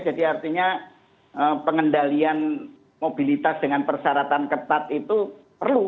jadi artinya pengendalian mobilitas dengan persyaratan ketat itu perlu